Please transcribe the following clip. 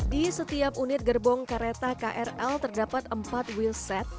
di setiap unit gerbong kereta krl terdapat empat wheelset